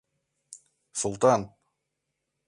— Султан!